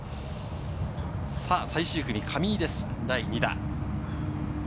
最終組の上井です、第２打。